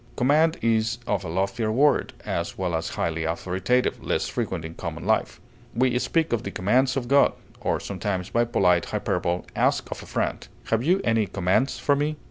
Command is a loftier word, as well as highly authoritative, less frequent in common life; we speak of the commands of God, or sometimes, by polite hyperbole, ask of a friend, "Have you any commands for me?"